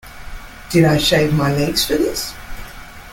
Did I Shave My Legs for This?